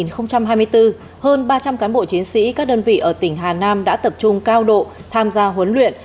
cán bộ chiến sĩ các đơn vị ở tỉnh hà nam đã tập trung cao độ tham gia huấn luyện